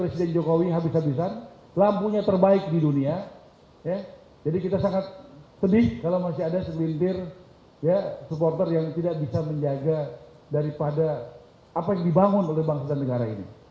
sangat baik di dunia jadi kita sangat sedih kalau masih ada sembintir supporter yang tidak bisa menjaga daripada apa yang dibangun oleh bangsa negara ini